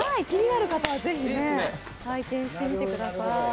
気になる方は、ぜひ体験してみてください。